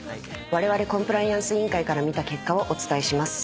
われわれコンプライアンス委員会から見た結果をお伝えします。